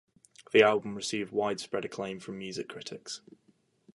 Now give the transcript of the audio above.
The album received widespread acclaim from music critics.